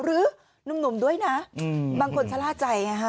หนุ่มด้วยนะบางคนชะล่าใจไงฮะ